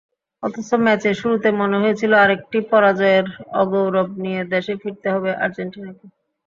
অথচ ম্যাচের শুরুতে মনে হয়েছিল, আরেকটি পরাজয়ের অগৌরব নিয়ে দেশে ফিরতে হবে আর্জেন্টিনাকে।